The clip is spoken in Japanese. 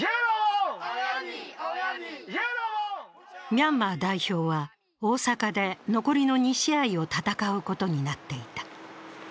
ミャンマー代表は大阪で、残りの２試合を戦うことになっていた。